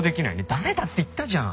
駄目だって言ったじゃん！